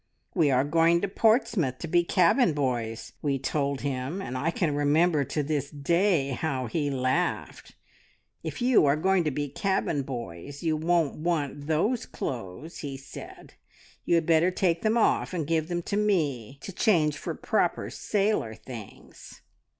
`We are going to Portsmouth to be cabin boys,' we told him, and I can remember to this day how he laughed. `If you are going to be cabin boys, you won't want those clothes,' he said. `You had better take them off, and give them to me, to change for proper sailor things.'